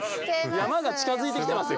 山が近づいてきてますよ。